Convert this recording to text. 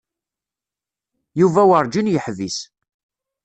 Yuba werǧin yeḥbis.